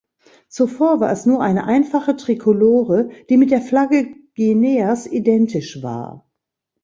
Zuvor war es nur eine einfache Trikolore, die mit der Flagge Guineas identisch war.